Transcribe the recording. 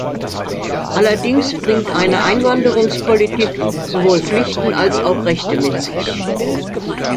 Allerdings bringt eine Einwanderungspolitik sowohl Pflichten als auch Rechte mit sich.